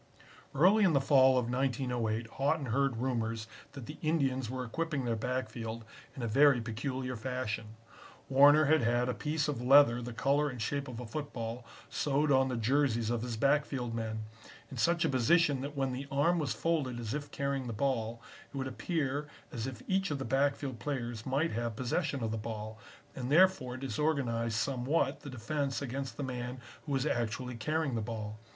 "Early in the fall of 1908 Haughton heard rumors that the Indians were equipping their backfield in a very peculiar fashion. Warner had had a piece of leather the color and shape of a football sewed on the jerseys of his backfield men, in such a position that when the arm was folded as if carrying the ball, it would appear as if each of the backfield players might have possession of the ball, and therefore disorganize somewhat the defense against the man who was actually carrying the ball.